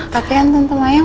kak tianten tante mayang